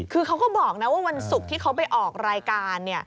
คือเขาก็บอกนะว่าวันศุกร์ที่เขาไปออกรายการ